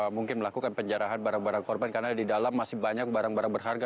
mungkin melakukan penjarahan barang barang korban karena di dalam masih banyak barang barang berharga